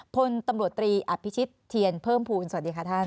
พลตำรวจตรีอภิชิตเทียนเพิ่มภูมิสวัสดีค่ะท่าน